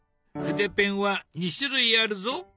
筆ペンは２種類あるぞ。